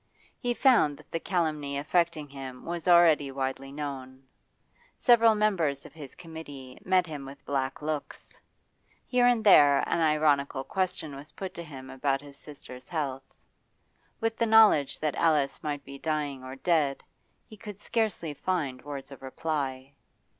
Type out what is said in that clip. He found that the calumny affecting him was already widely known; several members of his committee met him with black looks. Here and there an ironical question was put to him about his sister's health. With the knowledge that Alice might be dying or dead, he could scarcely find words of reply.